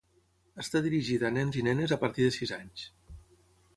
Està dirigida a nens i nenes a partir de sis anys.